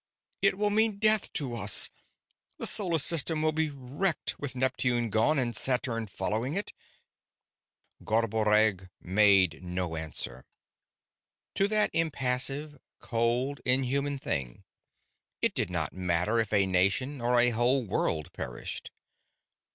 "It will mean death to us! The solar system will be wrecked with Neptune gone and Saturn following it!" Garboreggg made no answer. To that impassive, cold, inhuman thing, it did not matter if a nation or a whole world perished.